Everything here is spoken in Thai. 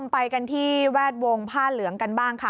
ไปกันที่แวดวงผ้าเหลืองกันบ้างค่ะ